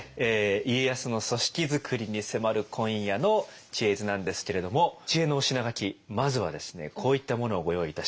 家康の組織づくりに迫る今夜の「知恵泉」なんですけれども知恵のお品書きまずはですねこういったものをご用意いたしました。